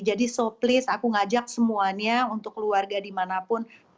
jadi so please aku ngajak semuanya untuk keluarga dimanapun